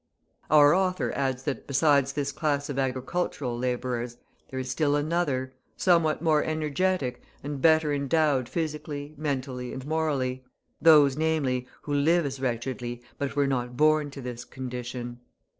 Our author adds that besides this class of agricultural labourers, there is still another, somewhat more energetic and better endowed physically, mentally, and morally; those, namely, who live as wretchedly, but were not born to this condition.